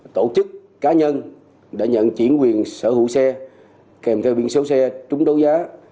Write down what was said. tổ chức cá nhân đã nhận chuyển quyền sở hữu xe kèm theo biển số xe trúng đấu giá